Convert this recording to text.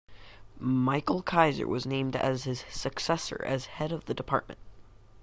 Michael Keiser was named as his successor as head of the department.